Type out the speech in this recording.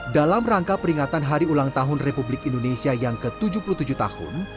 dalam rangka peringatan hari ulang tahun republik indonesia yang ke tujuh puluh tujuh tahun